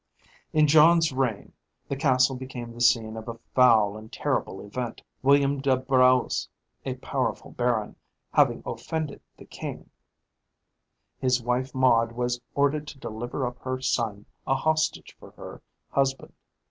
In John's reign the castle became the scene of a foul and terrible event William de Braose, a powerful baron, having offended the king, his wife Maud was ordered to deliver up her son a hostage for her husband.